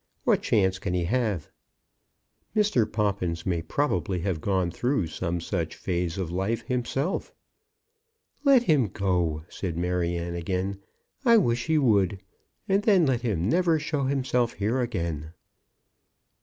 "What chance can he have?" Mr. Poppins may probably have gone through some such phase of life himself. "Let him go," said Maryanne again. "I wish he would. And then let him never show himself here again."